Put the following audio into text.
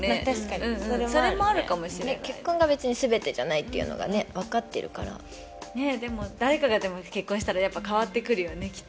確かにそれもあるそれもあるかもしれない結婚が別に全てじゃないっていうのがね分かってるからでも誰かが結婚したら変わってくるよね